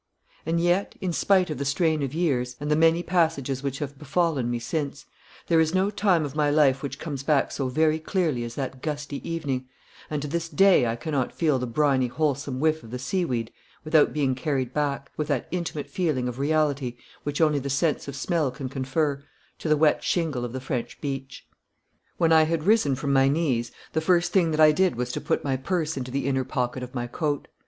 And yet, in spite of the strain of years, and the many passages which have befallen me since, there is no time of my life which comes back so very clearly as that gusty evening, and to this day I cannot feel the briny wholesome whiff of the seaweed without being carried back, with that intimate feeling of reality which only the sense of smell can confer, to the wet shingle of the French beach. When I had risen from my knees, the first thing that I did was to put my purse into the inner pocket of my coat.